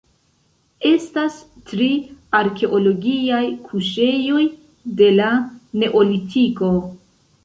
Estas tri arkeologiaj kuŝejoj de la Neolitiko.